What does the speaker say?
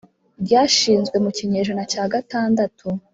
ryashinzwe mu kinyejana cya gatandatu ,